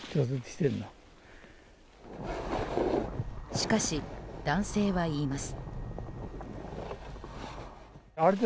しかし、男性は言います。